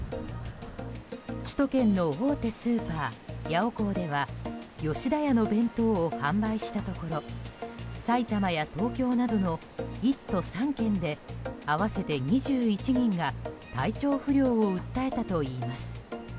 首都圏の大手スーパーヤオコーでは吉田屋の弁当を販売したところ埼玉や東京などの１都３県で合わせて２１人が体調不良を訴えたといいます。